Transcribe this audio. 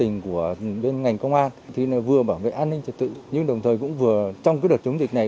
ngành công an thì vừa bảo vệ an ninh trật tự nhưng đồng thời cũng vừa trong cái đợt chống dịch này